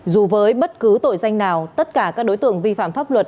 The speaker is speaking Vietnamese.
dù với bất cứ tội danh nào tất cả các đối tượng vi phạm pháp luật